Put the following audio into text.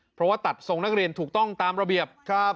เพราะว่าตัดทรงนักเรียนถูกต้องตามระเบียบครับ